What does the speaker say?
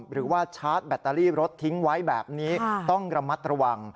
หรือว่าชาร์จแบตเตอรี่รถทิ้งไว้แบบนี้ต้องระมัดระวัง